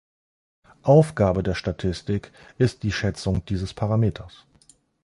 Aufgabe der Statistik ist die Schätzung dieses Parameters.